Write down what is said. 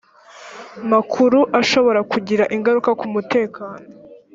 makuru ashobora kugira ingaruka ku mutekano